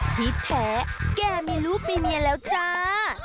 ที่แท้แกมีลูกมีเมียแล้วจ้า